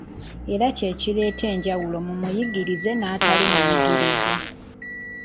Era kye kireeta enjawulo mu muyigirize n'atali muyigirize.